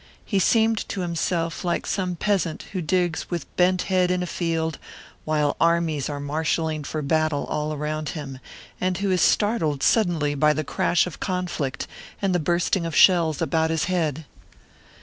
He seemed to himself like some peasant who digs with bent head in a field, while armies are marshalling for battle all around him; and who is startled suddenly by the crash of conflict, and the bursting of shells about his head.